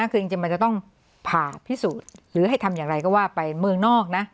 คือจริงมันจะต้องผ่าพิสูจน์หรือให้ทำอย่างไรก็ว่าไปเมืองนอกนะ